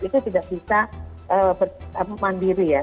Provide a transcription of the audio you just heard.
ini tidak bisa memandiri ya